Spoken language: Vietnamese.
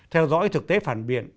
theo dõi thực tế phản biệt